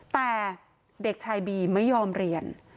แต่เด็กชายบีไม่ยอมเรียน